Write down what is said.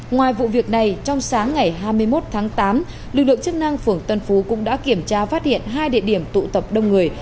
ngoài vụ việc này trong sáng ngày hai mươi một tháng tám lực lượng chức năng phường tân phú cũng đã kiểm tra phát hiện hai địa điểm tụ tập đông người